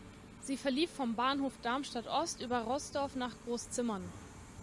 Sie verlief vom Bahnhof Darmstadt Ost über Roßdorf nach Groß-Zimmern.